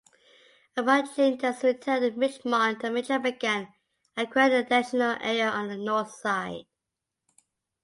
Upon Ginter's return to Richmond, the Major began acquiring additional area on the northside.